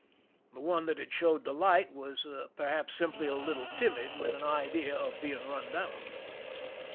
The one that had showed the light was perhaps simply a little timid, with an idea of being run down.